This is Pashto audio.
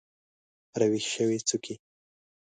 راویښې شوي څوکې